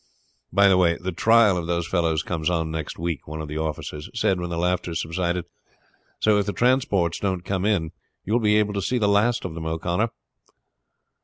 "By the way, the trial of those fellows comes on next week," one of the officers said when the laughter subsided; "so if the transports don't come in you will be able to see the last of them, O'Connor."